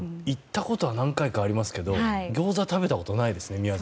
行ったことは何回かありますけどギョーザを食べたことはないですね。